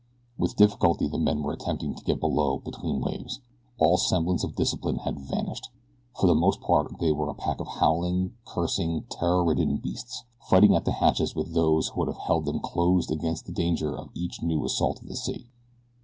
With difficulty the men were attempting to get below between waves. All semblance of discipline had vanished. For the most part they were a pack of howling, cursing, terror ridden beasts, fighting at the hatches with those who would have held them closed against the danger of each new assault of the sea.